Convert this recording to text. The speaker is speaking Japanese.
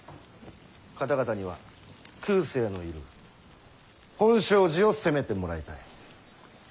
方々には空誓のいる本證寺を攻めてもらいたい。